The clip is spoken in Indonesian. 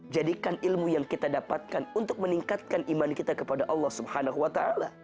jadikan ilmu yang kita dapatkan untuk meningkatkan iman kita kepada allah swt